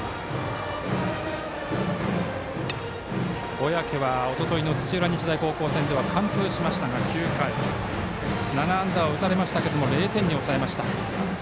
小宅は、おとといの土浦日大高校戦では完封しましたが９回７安打を打たれましたが０点に抑えました。